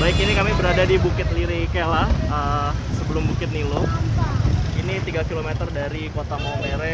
baik ini kami berada di bukit liri kela sebelum bukit nilo ini tiga kilometer dari kota momere